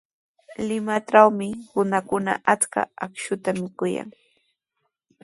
Limatrawmi runakuna achka akshuta mikuyan.